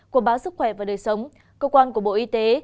của báo sức khỏe và đời sống cơ quan của bộ y tế